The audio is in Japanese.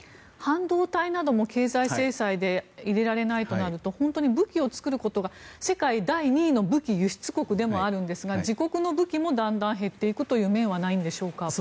半導体なども経済制裁で入れられないとなると本当に武器を作ることが世界第２位の武器輸出国でもあるんですが自国の武器もだんだん減っていくという面はないんでしょうか。